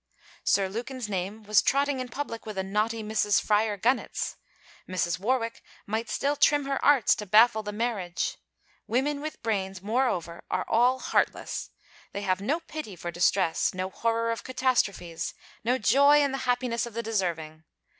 Sir Lukin's name was trotting in public with a naughty Mrs. Fryar Gunnett's: Mrs. Warwick might still trim her arts to baffle the marriage. Women with brains, moreover, are all heartless: they have no pity for distress, no horror of catastrophes, no joy in the happiness of the deserving.